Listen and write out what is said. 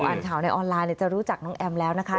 อ่านข่าวในออนไลน์จะรู้จักน้องแอมแล้วนะคะ